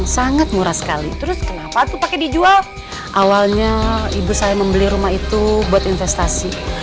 sangat murah sekali terus kenapa aku pakai dijual awalnya ibu saya membeli rumah itu buat investasi